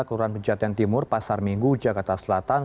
kelurahan pejaten timur pasar minggu jakarta selatan